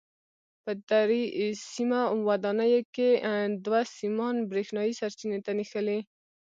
په درې سیمه ودانیو کې دوه سیمان برېښنا سرچینې ته نښلي.